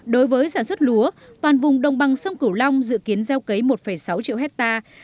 đối với sản xuất lúa toàn vùng đồng bằng sông cửu long dự kiến gieo cấy một sáu triệu hectare